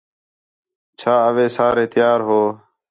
چَھا اَوئے سارے تیار ہو